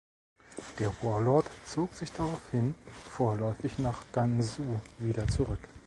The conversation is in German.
Der Warlord zog sich daraufhin vorläufig nach Gansu wieder zurück.